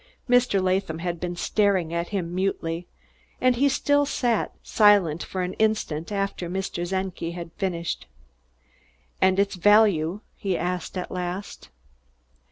Mr. Latham had been staring at him mutely, and he still sat silent for an instant after Mr. Czenki had finished. "And its value?" he asked at last.